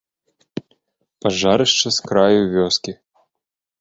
Пажарышча з краю вёскі.